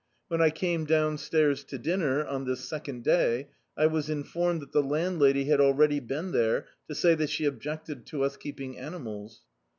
When I came downstairs to diimer, on this second day, I was informed that the landlady had already been there to say that she objected to us keeping animals.